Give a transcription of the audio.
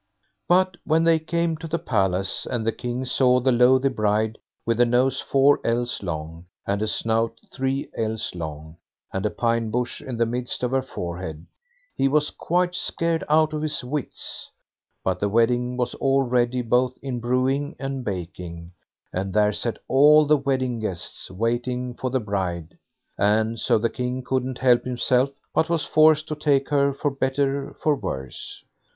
But when they came to the palace, and the King saw the loathly bride, with a nose four ells long, and a snout three ells long, and a pine bush in the midst of her forehead, he was quite scared out of his wits; but the wedding was all ready, both in brewing and baking, and there sat all the wedding guests, waiting for the bride; and so the King couldn't help himself, but was forced to take her for better for worse.